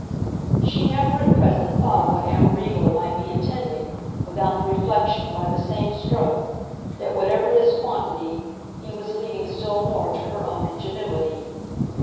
She never, at present, thought of what Amerigo might be intending, without the reflection, by the same stroke, that, whatever this quantity, he was leaving still more to her own ingenuity.